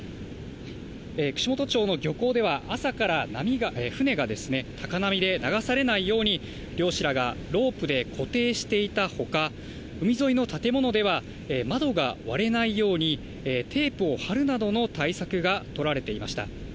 串本町の漁港では、朝から船が高波で流されないように、漁師らがロープで固定していたほか、海沿いの建物では、窓が割れないようにテープを貼るなどの対策が取られていました。